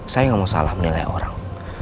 saya nggak mau salah menilai orang